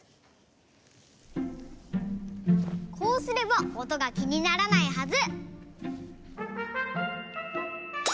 こうすればおとがきにならないはず！